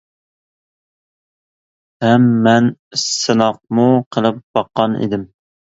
ھەم مەن سىناقمۇ قىلىپ باققان ئىدىم.